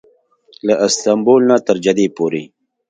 له استانبول نه تر جدې پورې.